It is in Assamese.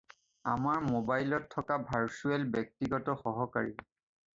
আমাৰ ম'বাইলত থকা ভাৰ্চুয়েল ব্যক্তিগত সহকাৰী।